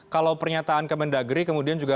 kalau pernyataan ke mendagri kemudian juga